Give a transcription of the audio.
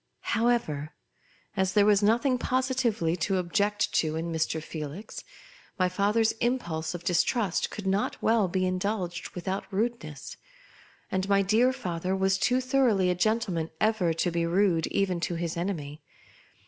However, as there was nothing positively to object to in Mr. Felix, my father's impulse of distrust could not well be indulged without rudeness ; and my dear father Avas too thor oughly a gentleman ever to be rude even to his enemy.